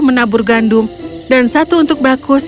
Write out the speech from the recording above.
persoalan tangkim autant dengan supaya menghutang penlari dekorasi